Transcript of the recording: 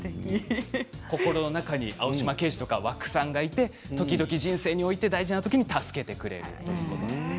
心の中に青島刑事や和久さんがいて時々人生において大事なときに助けてくれると。